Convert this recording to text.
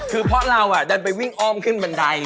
คือเพราะเราดันไปวิ่งอ้อมขึ้นบันได